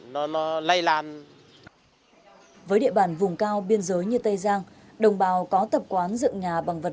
nó lây lan với địa bàn vùng cao biên giới như tây giang đồng bào có tập quán dựng nhà bằng vật